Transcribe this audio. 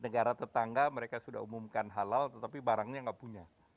negara tetangga mereka sudah umumkan halal tetapi barangnya nggak punya